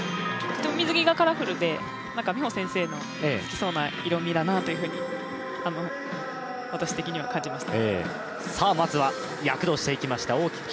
水着がカラフルで、美保先生が好きそうなカラーだなと、私的には感じました。